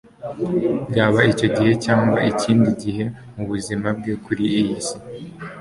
Byaba icyo gihe cyangwa ikindi gihe mu buzima bwe kuri iyi si,